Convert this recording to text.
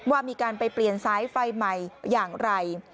ว่ามีการไปเปลี่ยนสายไฟใหม่อย่างไร